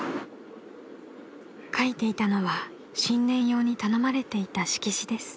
［かいていたのは新年用に頼まれていた色紙です］